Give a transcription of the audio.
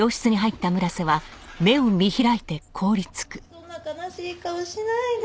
そんな悲しい顔しないで。